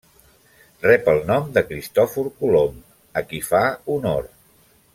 Rep el nom de Cristòfor Colom, a qui fa honor.